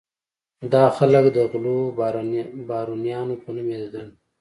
دا خلک د غلو بارونیانو په نوم یادېدل.